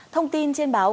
thông tin trên báo